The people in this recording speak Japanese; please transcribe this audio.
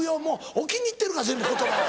置きに行ってるから全部言葉を。